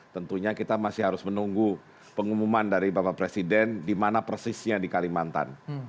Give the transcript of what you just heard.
tentunya kita masih harus menunggu pengumuman dari bapak presiden di mana persisnya di kalimantan